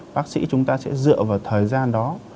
bác sĩ chúng ta sẽ dựa vào thời gian đó